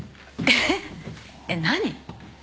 えっ何？